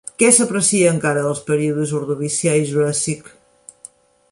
Què s'aprecia encara dels períodes Ordovicià i Juràssic?